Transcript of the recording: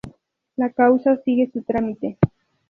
La causa sigue su trámite.